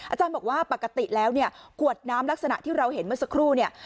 อาจารย์บอกว่าปกติแล้วเนี่ยขวดน้ำลักษณะที่เราเห็นเมื่อสักครู่เนี่ย